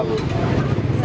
sebelumnya itu sudah malam